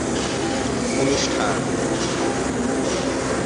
দলগুলোর বিপক্ষে আট টেস্টের সবকটিতেই তিনি অধিনায়কত্ব করেন।